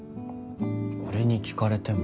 俺に聞かれても。